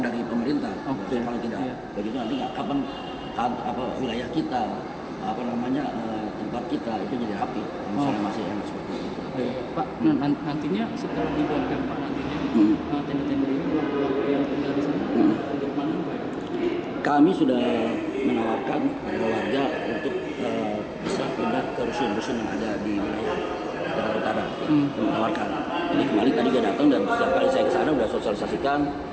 jadi kembali tadi saya datang dan setelah saya kesana sudah sosialisasikan